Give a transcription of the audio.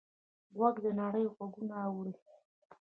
غوږ د نړۍ غږونه اوري.